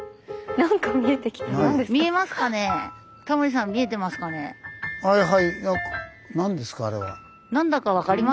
なんですかあれは。